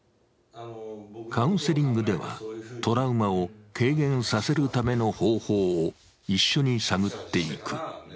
カウンセリングでは、トラウマを軽減させるための方法を一緒に探っていく。